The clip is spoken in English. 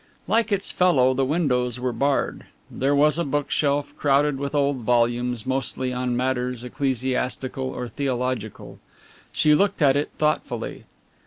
Like its fellow, the windows were barred. There was a bookshelf, crowded with old volumes, mostly on matters ecclesiastical or theological. She looked at it thoughtfully.